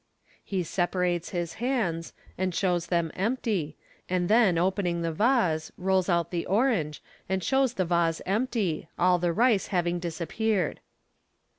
He separates his hands, and shows them empty, and then opening the vase, rolls out the orange, and shows the vase empty, all the rice having disappeared.